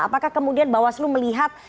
apakah kemudian bawaslu melihat